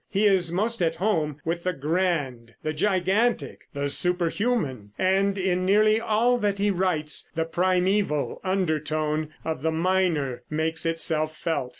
He is most at home with the grand, the gigantic, the superhuman; and in nearly all that he writes the primeval undertone of the minor makes itself felt.